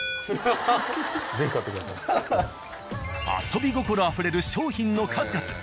遊び心あふれる商品の数々。